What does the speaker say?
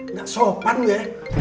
nggak sopan lu ya